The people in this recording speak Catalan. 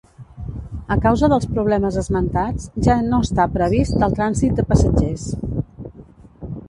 A causa dels problemes esmentats, ja no està previst el trànsit de passatgers.